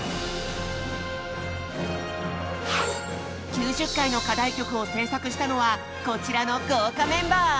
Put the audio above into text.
９０回の課題曲を制作したのはこちらの豪華メンバー。